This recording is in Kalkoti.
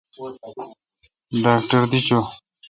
ڈاکٹر دی چو۔